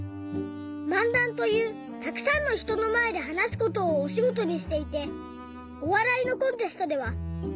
漫談というたくさんのひとのまえではなすことをおしごとにしていておわらいのコンテストではゆうしょうもしています！